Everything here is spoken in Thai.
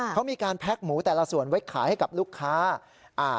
เขามีการแพ็คหมูแต่ละส่วนไว้ขายให้กับลูกค้าอ่า